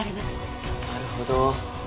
なるほど。